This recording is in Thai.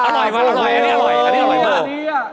อร่อยมากอร่อยมาก